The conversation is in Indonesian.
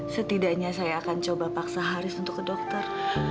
setidaknya saya akan coba paksa haris untuk ke dokter